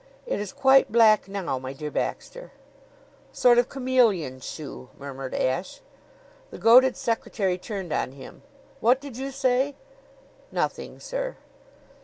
"It is quite black now, my dear Baxter." "A sort of chameleon shoe," murmured Ashe. The goaded secretary turned on him. "What did you say?" "Nothing, sir."